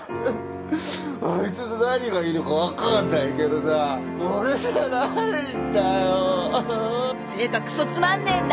あいつの何がいいのかわかんないけどさ俺じゃないんだよ。